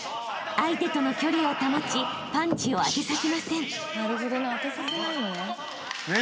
［相手との距離を保ちパンチを当てさせません］